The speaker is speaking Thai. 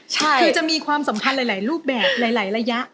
คือจะมีความสำคัญหลายรูปแบบหลายระยะ